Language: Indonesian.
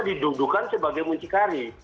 didudukan sebagai muncikari